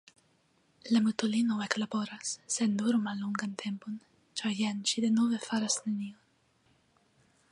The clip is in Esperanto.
La mutulino eklaboras, sed nur mallongan tempon, ĉar jen ŝi denove faras nenion.